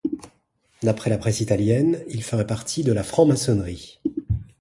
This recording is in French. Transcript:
D'après la presse italienne, il ferait partie de la franc-maçonnerie.